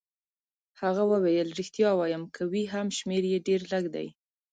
هغه وویل: ریښتیا وایم، که وي هم شمېر يې ډېر لږ دی.